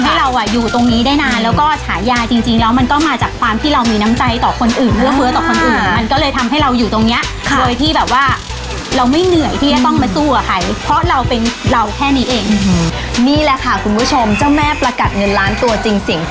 เพราะว่าหน่อยจะพาไปหาพี่ไข่ค่ะหรือว่าทุกคนเรียกกันว่าไอไข่นั่นเอง